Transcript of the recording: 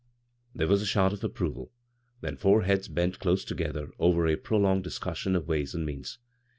There was a shout of approval, then four heads bent close together over a prolonged discussion of ways and means.